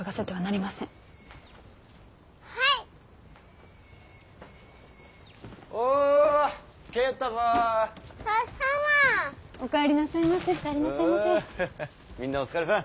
みんなお疲れさん。